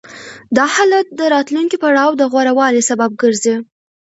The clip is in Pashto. دا حالت د راتلونکي پړاو د غوره والي سبب ګرځي